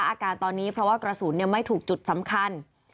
อาการตอนนี้เพราะว่ากระสุนไม่ถูกจุดสำคัญ